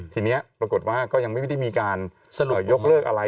ทีนี้ปรากฏว่าก็ยังไม่ได้มีการเสนอยกเลิกอะไร